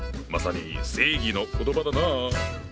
まさに正義の言葉だなあ。